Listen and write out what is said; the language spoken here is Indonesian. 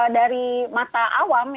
dari mata awam